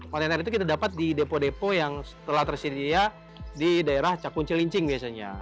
kontainer itu kita dapat di depo depo yang telah tersedia di daerah cakung celincing biasanya